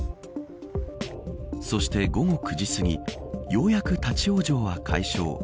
そして午後９時すぎようやく立ち往生は解消。